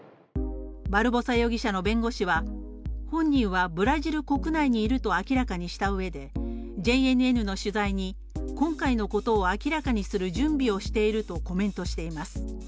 バルボサ容疑者の弁護士は本人はブラジル国内にいると明らかにしたうえでＪＮＮの取材に、今回のことを明らかにする準備をしているとコメントしています。